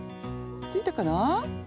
ついたかな？